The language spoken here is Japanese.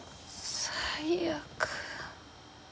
最悪。